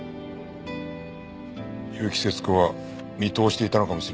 結城節子は見通していたのかもしれないな